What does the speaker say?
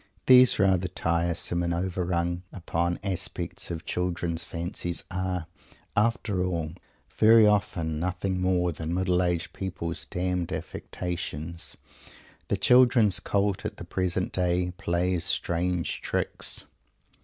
These rather tiresome and over rung upon aspects of children's fancies are, after all, very often nothing more than middle aged people's damned affectations. The children's cult at the present day plays strange tricks.